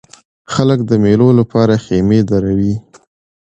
خلک د مېلو له پاره خیمې دروي.